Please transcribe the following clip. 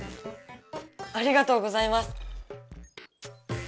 ありがとうございます。